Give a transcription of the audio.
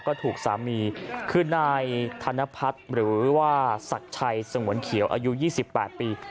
ก็ถูกสามีคือนายธนพัฒน์หรือว่าศักดิ์ชัยสงวนเขียวอายุ๒๘ปี